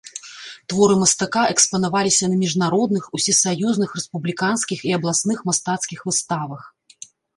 Творы мастака экспанаваліся на міжнародных, усесаюзных, рэспубліканскіх і абласных мастацкіх выставах.